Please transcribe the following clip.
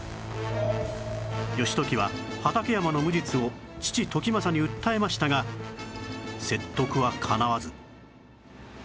義時は畠山の無実を父時政に訴えましたが説得はかなわず